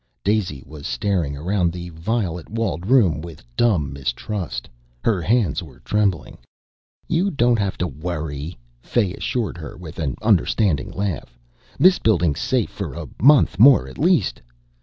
Daisy was staring around the violet walled room with dumb mistrust. Her hands were trembling. "You don't have to worry," Fay assured her with an understanding laugh. "This building's safe for a month more at least."